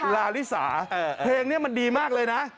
ลาลิซ่าค่ะลาลิซ่าแฟนมันดีมากเลยนะ